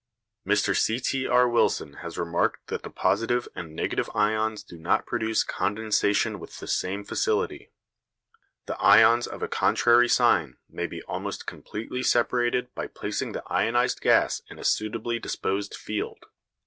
Mr C.T.R. Wilson has remarked that the positive and negative ions do not produce condensation with the same facility. The ions of a contrary sign may be almost completely separated by placing the ionised gas in a suitably disposed field.